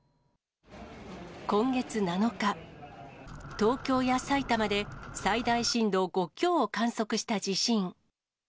今月７日、東京や埼玉で最大震度５強を観測した地震。